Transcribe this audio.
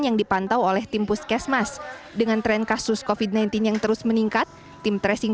yang dipantau oleh tim puskesmas dengan tren kasus covid sembilan belas yang terus meningkat tim tracing